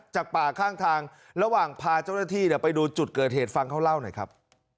จากป่าข้างทางระหว่างพาเจ้าหน้าที่เดี๋ยวไปดูจุดเกิดเหตุฟังเขาเล่าหน่อยครับ